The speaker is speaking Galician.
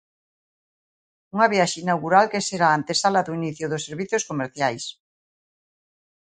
Unha viaxe inaugural que será a antesala do inicio dos servizos comerciais.